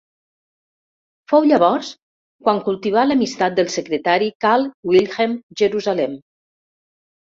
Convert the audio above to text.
Fou, llavors, quan cultivà l'amistat del secretari Karl Wilhelm Jerusalem.